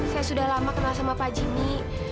saya sudah lama kenal sama pak jimmy